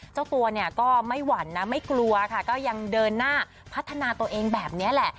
เจ้าตัวเนี่ยก็ไม่หวั่นนะไม่กลัวค่ะก็ยังเดินหน้าพัฒนาตัวเองแบบนี้แหละ